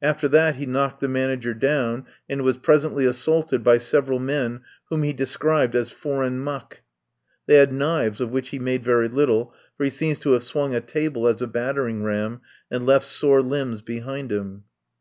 After that he knocked the manager down, and was presently assaulted by several men whom he described as "furrin' muck." They had knives, of which he made very little, for he seems to have swung a table as a battering ram and left sore limbs behind him.